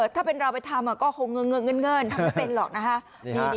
ถ้าเป็นเราไปทำก็คงเงินทำไม่เป็นหรอกนะคะ